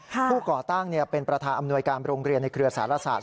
ก่อตั้งเป็นประธานอำนวยการโรงเรียนในเครือสารศาสต